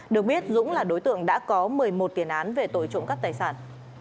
được biết dũng là đối tượng đã có một mươi một tiền án về tội trộm cắp tài sản